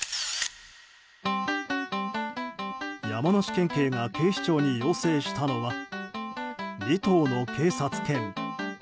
山梨県警が警視庁に要請したのは２頭の警察犬。